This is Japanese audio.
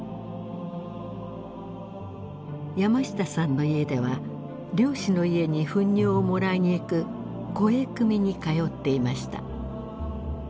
山下さんの家では漁師の家に糞尿をもらいに行く肥汲みに通っていました。